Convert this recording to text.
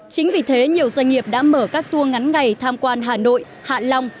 chính vì thế nhiều doanh nghiệp đã mở các tour ngắn ngày tham quan hà nội hạ long